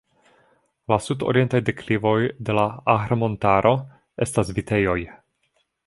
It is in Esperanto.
La sudorientaj deklivoj de la Ahr-montaro estas vitejoj.